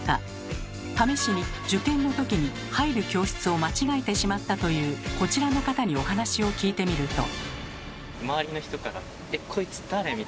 試しに受験のときに入る教室を間違えてしまったというこちらの方にお話を聞いてみると。